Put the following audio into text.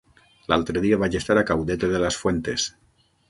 L'altre dia vaig estar a Caudete de las Fuentes.